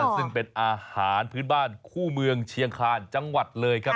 ซึ่งเป็นอาหารพื้นบ้านคู่เมืองเชียงคาญจังหวัดเลยครับ